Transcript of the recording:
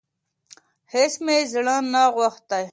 هيڅ مي زړه نه غوښتی .